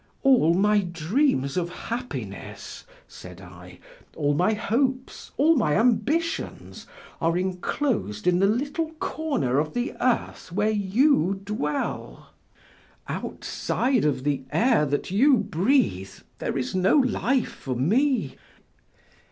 "All my dreams of happiness," said I, "all my hopes, all my ambitions, are enclosed in the little corner of the earth where you dwell; outside of the air that you breathe there is no life for me."